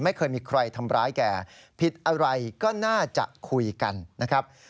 ไม่เคยมีใครทำร้ายแกผิดอะไรก็น่าจะคุยกันนะครับ